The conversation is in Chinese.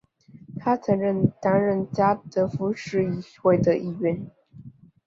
他曾经担任加的夫市议会的议员。